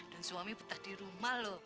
dan suami betah di rumah lho